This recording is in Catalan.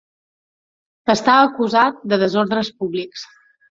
Està acusat de desordres públics.